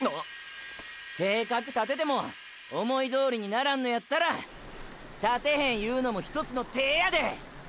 ⁉計画立てても思いどおりにならんのやったら立てへんいうのもひとつの手やで。